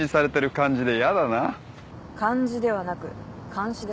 感じではなく監視です。